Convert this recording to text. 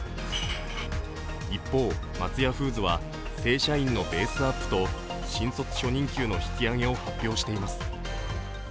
一方、松屋フーズは正社員のベースアップと新卒初任給の引き上げを発表しています。